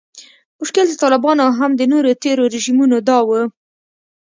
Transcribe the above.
مشکل د طالبانو او هم د نورو تیرو رژیمونو دا و